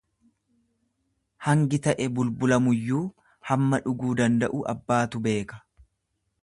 Hangi ta'e bulbulamuyyuu hamma dhuguu danda'u abbaatu beeka.